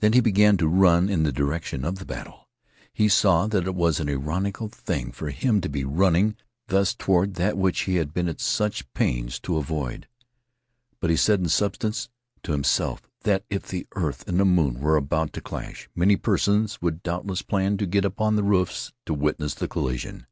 Then he began to run in the direction of the battle. He saw that it was an ironical thing for him to be running thus toward that which he had been at such pains to avoid. But he said, in substance, to himself that if the earth and the moon were about to clash, many persons would doubtless plan to get upon the roofs to witness the collision.